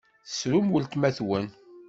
Tessrum weltma-twen!